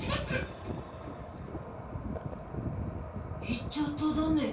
行っちゃっただね。